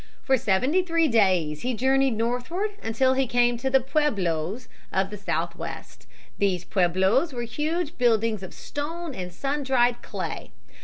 For seventy three days he journeyed northward until he came to the pueblos (pweb' lo) of the Southwest. These pueblos were huge buildings of stone and sun dried clay.